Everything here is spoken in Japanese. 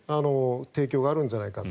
提供があるんじゃないかと。